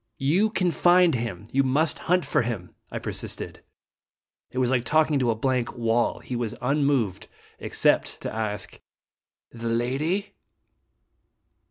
"You can find him. You must hunt for him," I persisted. It was like talking to a blank wall. He was unmoved except to ask :" The lady